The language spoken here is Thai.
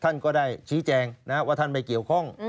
ท่านก็ได้ชี้แจงว่าท่านไม่เกี่ยวข้อง